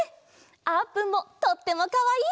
あーぷんもとってもかわいい！